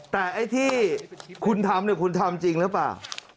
แต่ไอ้ที่คุณทำคุณทำจริงหรือเปล่า